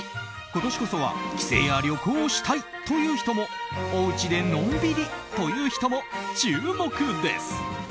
今年こそは帰省や旅行をしたいという人もおうちでのんびりという人も注目です。